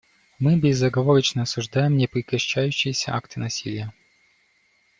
Мы безоговорочно осуждаем непрекращающиеся акты насилия.